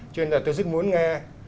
cho nên là tôi rất muốn nghe